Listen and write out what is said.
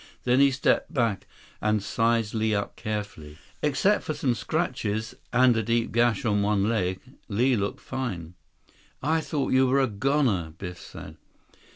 Then he stepped back and sized Li up carefully. Except for some scratches, and a deep gash on one leg, Li looked fine. "I thought you were a goner," Biff said.